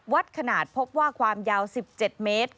วัดขนาดพบว่าความยาว๑๗เมตร